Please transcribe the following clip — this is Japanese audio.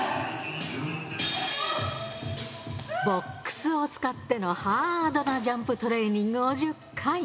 ボックスを使ってのハードなジャンプトレーニングを１０回。